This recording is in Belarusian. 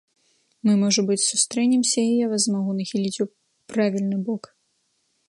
Мы, можа быць, сустрэнемся і я вас змагу нахіліць ў правільны бок.